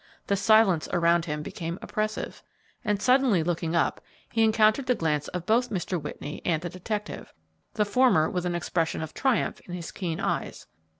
The silence around him became oppressive, and suddenly looking up, he encountered the glance of both Mr. Whitney and the detective, the former with an expression of triumph in his keen eyes.